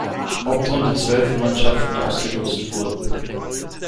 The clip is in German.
Hauptrunde zwölf Mannschaften ausgelost wurden.